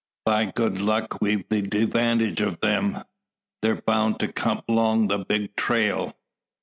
By good luck, we've the devantage o' 'em. They're bound to kum 'long the big trail.